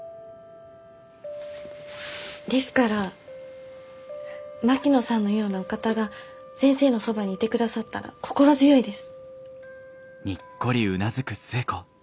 ですから槙野さんのようなお方が先生のそばにいてくださったら心強いです。